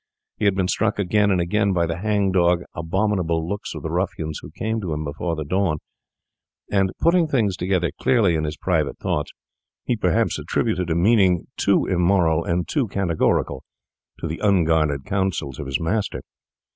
He had been struck again and again by the hang dog, abominable looks of the ruffians who came to him before the dawn; and putting things together clearly in his private thoughts, he perhaps attributed a meaning too immoral and too categorical to the unguarded counsels of his master.